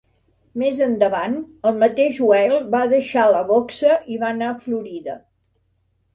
Més endavant, el mateix Weill va deixar la boxa i va anar a Florida.